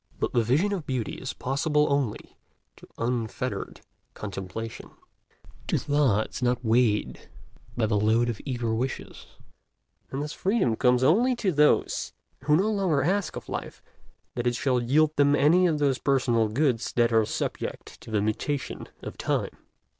But the vision of beauty is possible only to unfettered contemplation, to thoughts not weighted by the load of eager wishes; and thus Freedom comes only to those who no longer ask of life that it shall yield them any of those personal goods that are subject to the mutations of Time.